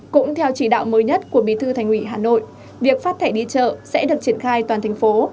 cũng theo chỉ đạo mới nhất của bí thư thành ủy hà nội việc phát thẻ đi chợ sẽ được triển khai toàn thành phố